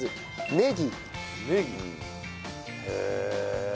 ねぎ！